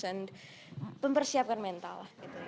dan mempersiapkan mental